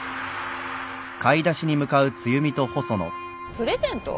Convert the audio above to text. プレゼント？